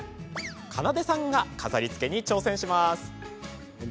かなでさんが飾りつけに挑戦します。